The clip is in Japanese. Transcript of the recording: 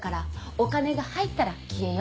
お金が入ったら消えよう。